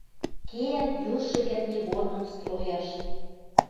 Кеӓт южшы кӹртнигорным строяш